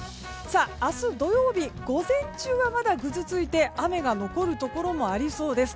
明日、土曜日、午前中はまだぐずついて雨が残るところもありそうです。